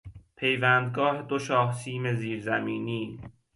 پیوندگاه دو شاهسیم زیرزمینی